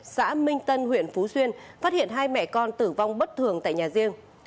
xã minh tân huyện phú xuyên phát hiện hai mẹ con tử vong bất thường tại nhà riêng